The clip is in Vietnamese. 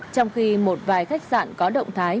trong khi một vài khách sạn có động thái